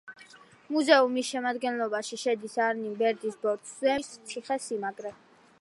მუზეუმის შემადგენლობაში შედის არინ-ბერდის ბორცვზე მდებარე ერებუნის ციხესიმაგრე.